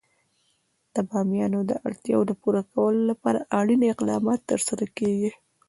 د بامیان د اړتیاوو پوره کولو لپاره اړین اقدامات ترسره کېږي.